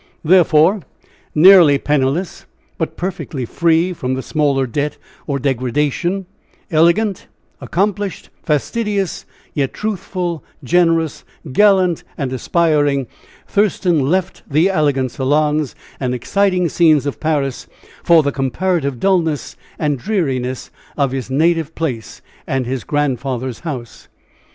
Therefore nearly penniless, but perfectly free from the smallest debt or degradation elegant, accomplished, fastidious, yet truthful, generous, gallant and aspiring Thurston left the elegant salons and exciting scenes of Paris for the comparative dullness and dreariness of his native place and his grandfather's house.